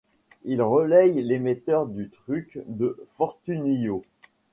Il relaye l'émetteur du Truc de Fortunio.